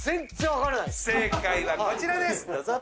正解はこちらですどうぞ！